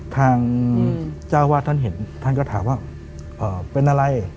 ทางเจ้าวาดท่านเห็นท่านก็ถามว่าเป็นอะไร